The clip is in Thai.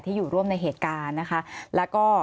อยู่ร่วมในเหตุการณ์นะคะแล้วก็